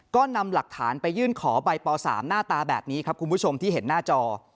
ก็นำหลักฐานไปยื่นขอใบป๓หน้าตาแบบนี้ครับคุณผู้ชมที่เห็นหน้าจอ